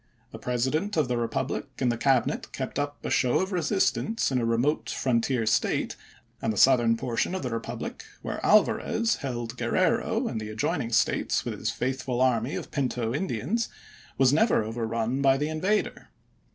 The President of the republic and the Cabinet kept up a show of resistance in a remote frontier State; and the southern portion of the republic, where Alva rez held Gruerrero and the adjoining States with his faithful army of Pinto Indians, was never overrun by the invader.